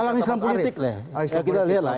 alam islam politik kita lihat lah